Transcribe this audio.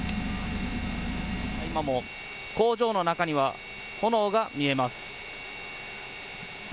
今も工場の中には炎が見えます。